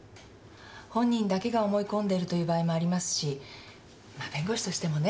本人だけが思い込んでるという場合もありますしまぁ弁護士としてもね。